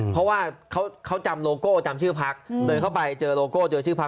เพราะว่าเขาจำโลโก้จำชื่อพักเดินเข้าไปเจอโลโก้เจอชื่อพัก